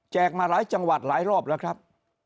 แจกมาหลายจังหวัดหลายรอบครับ